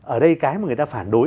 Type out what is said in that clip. ở đây cái mà người ta phản đối